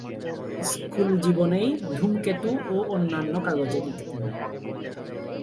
School জীবনেই ‘ধূমকেতু’ ও অন্যান্য কাগজে লিখতেন।